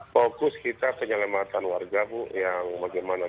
fokus kita penyelamatan warga bu yang bagaimana